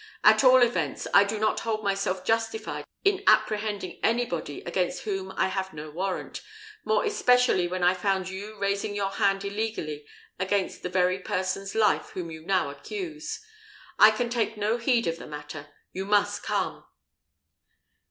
"At all events, I do not hold myself justified in apprehending anybody against whom I have no warrant, more especially when I found you raising your hand illegally against the very person's life whom you now accuse. I can take no heed of the matter: you must come."